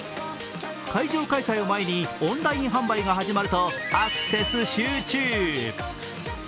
会場開催を前にオンライン販売が始まると、アクセス集中。